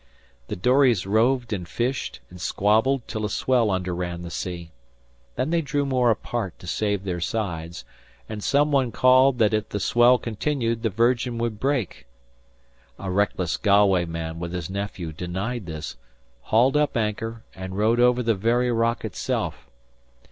The dories roved and fished and squabbled till a swell underran the sea. Then they drew more apart to save their sides, and some one called that if the swell continued the Virgin would break. A reckless Galway man with his nephew denied this, hauled up anchor, and rowed over the very rock itself.